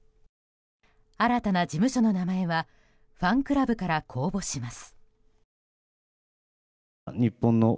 新たな事務所の名前はファンクラブから公募します。